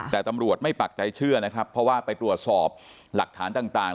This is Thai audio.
แต่ตำรวจไม่ปักใจเชื่อนะครับเพราะว่าไปตรวจสอบหลักฐานต่าง